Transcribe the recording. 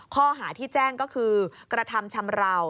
ข้อหาที่แจ้งก็คือกระทำชำราว